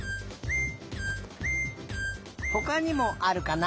ほかにもあるかな？